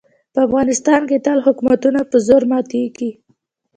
په افغانستان کې تل حکومتونه په زور ماتېږي.